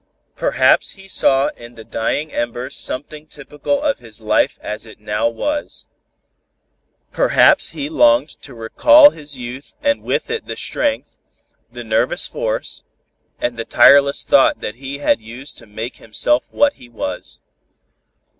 Perhaps he saw in the dying embers something typical of his life as it now was. Perhaps he longed to recall his youth and with it the strength, the nervous force and the tireless thought that he had used to make himself what he was.